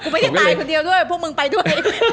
ดูนี่ด้วยเดี๋ยวผู้มึงไปด้วย